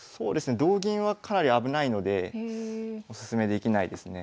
同銀はかなり危ないのでおすすめできないですね。